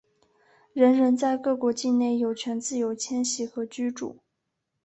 人人在各国境内有权自由迁徙和居住。